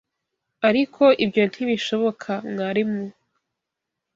Ariko ibyo ntibishoboka, mwarimu.